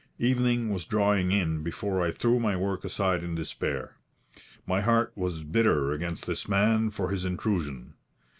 Evening was drawing in before I threw my work aside in despair. My heart was bitter against this man for his intrusion.